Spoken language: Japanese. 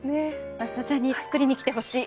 桝田ちゃんに作りに来てほしい。